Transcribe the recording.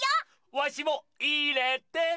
わしもいれて！